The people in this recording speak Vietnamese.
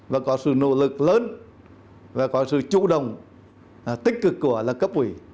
và có sự nỗ lực lớn và có sự chủ động tích cực của cấp ủy